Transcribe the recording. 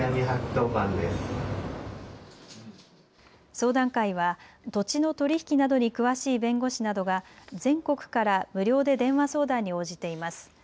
相談会は土地の取り引きなどに詳しい弁護士などが全国から無料で電話相談に応じています。